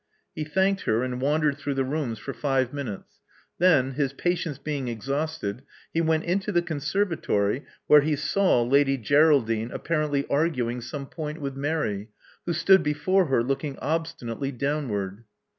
He thanked her, and wandered through the rooms for five minutes. Then, his patience being exhausted, he went into the conserva tory, where he saw Lady Geraldine apparently argu ing some point with Mary, who stood before her looking obstinately downward.